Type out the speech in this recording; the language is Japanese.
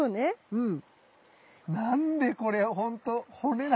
うん。